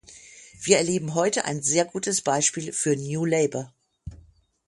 Wir erleben heute ein sehr gutes Beispiel für New Labour.